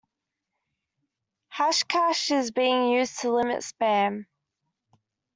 Hashcash is being used to limit spam.